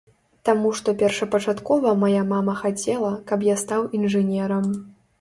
Таму што першапачаткова мая мама хацела, каб я стаў інжынерам.